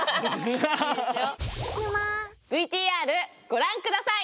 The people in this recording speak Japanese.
ＶＴＲご覧下さい！